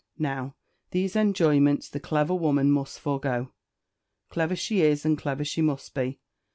Now, these enjoyments the clever woman must forego. Clever she is, and clever she must be.